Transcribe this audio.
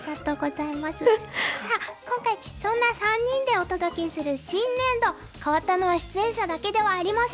あっ今回そんな３人でお届けする新年度変わったのは出演者だけではありません。